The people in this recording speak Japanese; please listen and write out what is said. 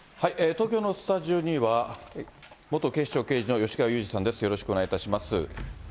東京のスタジオには、元警視庁刑事の吉川祐二さんです、よろしくお願いいたします。